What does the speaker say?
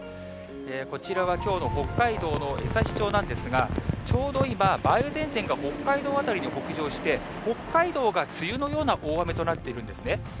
こちらは、きょうの北海道の江差町なんですが、ちょうど今、梅雨前線が北海道辺りに北上して、北海道が梅雨のような大雨となっているんですね。